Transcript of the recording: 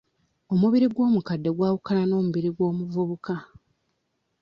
Omubiri gw'omukadde gwawukana n'omubiri gw'omuvubuka.